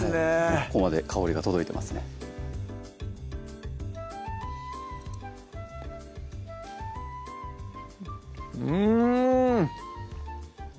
ここまで香りが届いてますねうん！